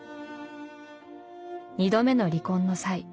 二度目の離婚の際